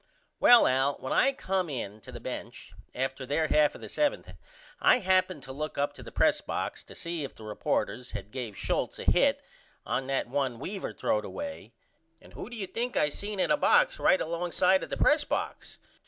Well Al when I come in to the bench after there « of the 7th I happened to look up to the press box to see if the reporters had gave Schulte a hit on that one Weaver throwed away and who do you think I seen in a box right alongside of the press box?